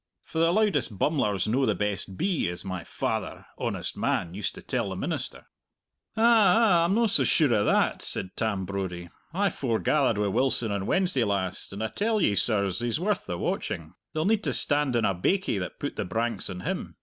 For the loudest bummler's no the best bee, as my father, honest man, used to tell the minister." "Ah ah, I'm no so sure o' that," said Tam Brodie. "I forgathered wi' Wilson on Wednesday last, and I tell ye, sirs, he's worth the watching. They'll need to stand on a baikie that put the branks on him.